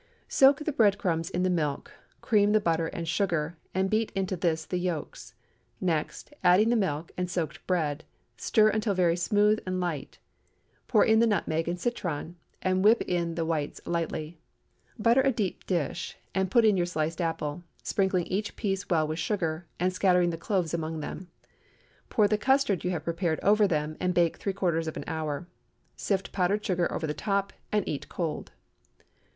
Soak the bread crumbs in the milk, cream the butter and sugar, and beat into this the yolks. Next, adding the milk and soaked bread, stir until very smooth and light. Put in the nutmeg and citron, and whip in the whites lightly. Butter a deep dish, and put in your sliced apple, sprinkling each piece well with sugar, and scattering the cloves among them. Pour the custard you have prepared over them, and bake three quarters of an hour. Sift powdered sugar over the top, and eat cold.